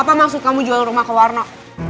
apa maksud kamu jual rumah ke warna